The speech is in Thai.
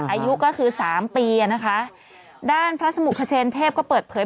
อายุก็คือสามปีอ่ะนะคะด้านพระสมุขเชนเทพก็เปิดเผย